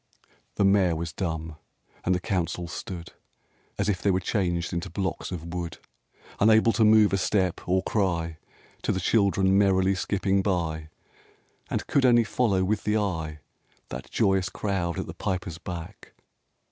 XIII The Mayor was dumb, and the Council stood As if they were changed into blocks of wood, Unable to move a step, or cry To the children merrily skipping by, And could only follow with the eye That joyous crowd at the Piper's back.